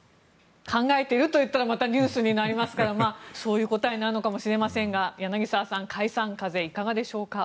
考えていると言ったらまたニュースになりますからそういう答えになるのかもしれませんが、柳澤さん解散風、いかがでしょうか。